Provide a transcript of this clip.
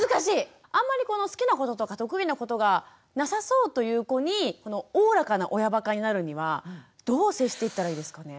あんまりこの好きなこととか得意なことがなさそうという子におおらかな親ばかになるにはどう接していったらいいですかね？